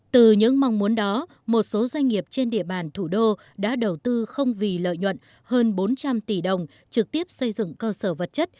từ những mong muốn đó một số doanh nghiệp trên địa bàn thủ đô đã đầu tư không vì lợi nhuận hơn bốn trăm linh tỷ đồng trực tiếp xây dựng cơ sở vật chất